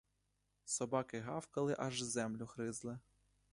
Собаки гавкали, аж землю гризли.